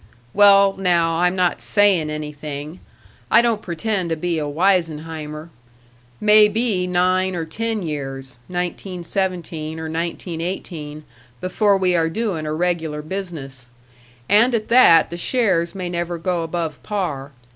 "Well, now, I'm not saying anything. I don't pretend to be a Wisenheimer. May be nine or ten years nineteen seventeen or nineteen eighteen before we are doing a regular business. And at that, the shares may never go above par.